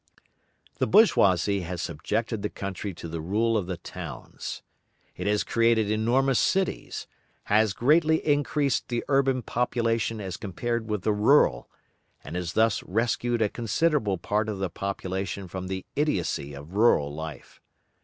The bourgeoisie has subjected the country to the rule of the towns. It has created enormous cities, has greatly increased the urban population as compared with the rural, and has thus rescued a considerable part of the population from the idiocy of rural life.